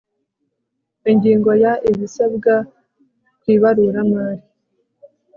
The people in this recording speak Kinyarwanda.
Ingingo ya Ibisabwa ku ibaruramari